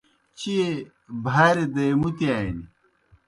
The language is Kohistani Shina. چیئے بھاریْ دے مُتِیانیْ۔